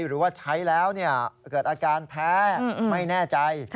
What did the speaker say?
หรือว่าใช้แล้วเกิดอาการแพ้ไม่แน่ใจ